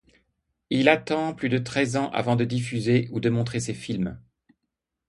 Il attend plus de treize ans avant de diffuser ou de montrer ses films.